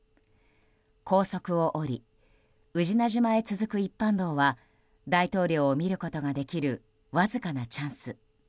高速を降り宇品島へ続く一般道は大統領を見ることができるわずかなチャンス。